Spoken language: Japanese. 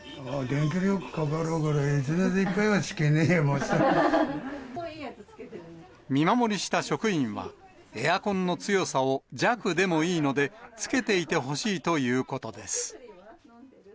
電気料かかるから、見守りした職員は、エアコンの強さを弱でもいいので、つけていてほしいということです。